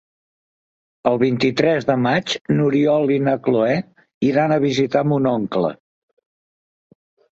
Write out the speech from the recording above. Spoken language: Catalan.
El vint-i-tres de maig n'Oriol i na Cloè iran a visitar mon oncle.